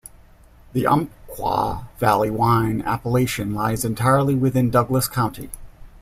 The Umpqua Valley wine appellation lies entirely within Douglas county.